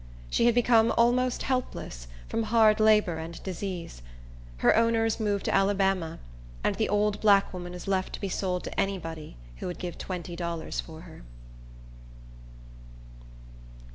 She had become almost helpless, from hard labor and disease. Her owners moved to Alabama, and the old black woman was left to be sold to any body who would give twenty dollars for her.